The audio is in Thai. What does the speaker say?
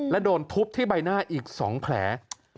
และโดนทุบที่ใบหน้าอีก๒แผล